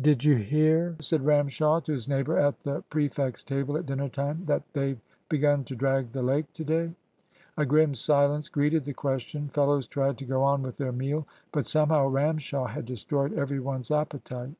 "Did you hear," said Ramshaw to his neighbour at the prefects' table at dinner time, "that they've begun to drag the lake to day?" A grim silence greeted the question. Fellows tried to go on with their meal. But somehow Ramshaw had destroyed every one's appetite.